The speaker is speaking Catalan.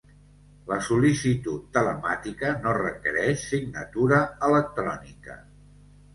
La sol·licitud telemàtica no requereix signatura electrònica.